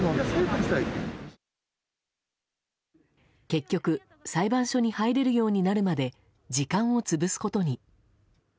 結局、裁判所に入れるようになるまで時間をつぶすことに。